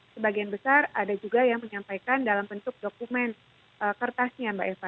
sebagian besar ada juga yang menyampaikan dalam bentuk dokumen kertasnya mbak eva